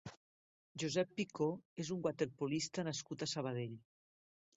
Josep Picó és un waterpolista nascut a Sabadell.